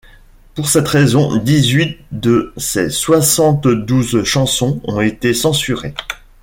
Pour cette raison, dix-huit de ses soixante-douze chansons ont été censurées.